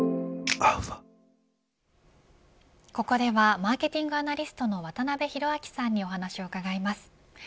ここではマーケティングアナリストの渡辺広明さんに伺います。